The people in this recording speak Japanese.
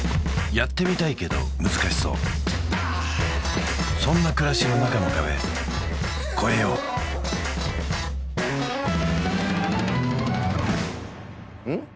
やってみたいけど難しそうそんな暮らしの中の壁越えよううん？